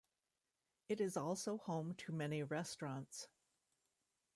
It is also home to many restaurants.